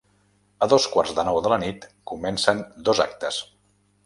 A dos quarts de nou de la nit comencen dos actes.